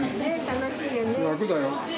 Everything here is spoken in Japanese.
楽だよ。